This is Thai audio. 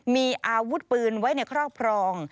มีอาวุธปืนไว้ในครอบครอง